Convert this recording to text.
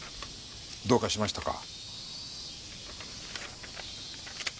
どうかしましたか？